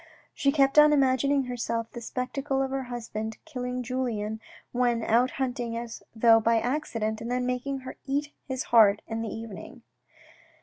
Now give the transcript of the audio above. She kept on imagin ing to herself the spectacle of her husband killing Julien when out hunting as though by accident, and then making her eat his heart in the evening.